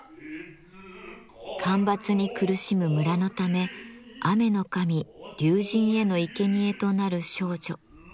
干ばつに苦しむ村のため雨の神竜神へのいけにえとなる少女。